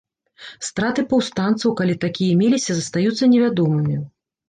Страты паўстанцаў, калі такія меліся, застаюцца невядомымі.